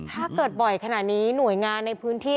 ถ้าเกิดบ่อยขนาดนี้หน่วยงานในพื้นที่